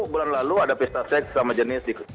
bulan lalu ada pesta sex sama jenis